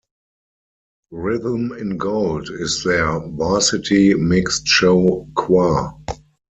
Rhythm in Gold is their varsity mixed show choir.